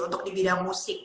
untuk di bidang musik